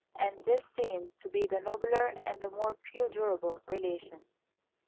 And this seems to be the nobler and the more perdurable relation.